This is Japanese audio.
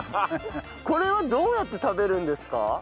これはどうやって食べるんですか？